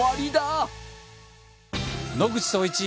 野口聡一。